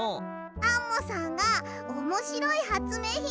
アンモさんがおもしろいはつめいひんみせてくれたり！